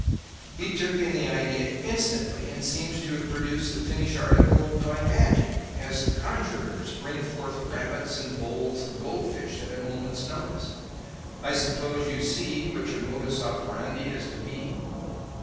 "He took in the idea instantly and seems to have produced the finished article by magic, as the conjurers bring forth rabbits and bowls of goldfish at a moment's notice. I suppose you see what your modus operandi is to be?"